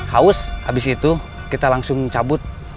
haus habis itu kita langsung cabut